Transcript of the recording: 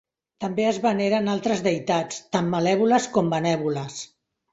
També es veneren altres deïtats, tant malèvoles com benèvoles.